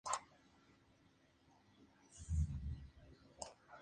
Story vive en California con su esposa y su hija.